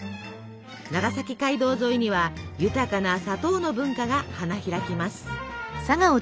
長崎街道沿いには豊かな砂糖の文化が花開きます。